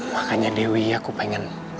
makanya dewi aku pengen